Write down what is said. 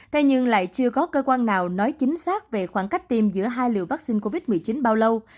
thế nhưng lại chưa có cơ quan nào nói chính xác về khoảng cách tiêm giữa hai liều vaccine covid một mươi chín bao lâu